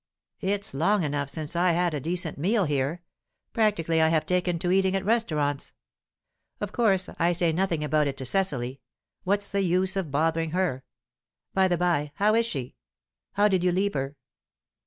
It's long enough since I had a decent meal here. Practically I have taken to eating at restaurants. Of course I say nothing about it to Cecily; what's the use of bothering her? By the bye, how is she? How did you leave her?"